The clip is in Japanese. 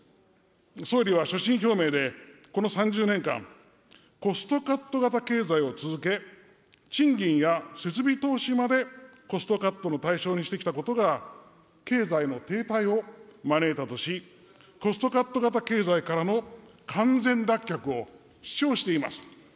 総理は所信表明で、この３０年間、コストカット型経済を続け、賃金や設備投資まで、コストカットの対象にしてきたことが、経済の停滞を招いたとし、コストカット型経済からの完全脱却を主張しています。